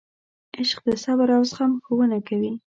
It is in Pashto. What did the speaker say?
عشق د صبر او زغم ښوونه کوي.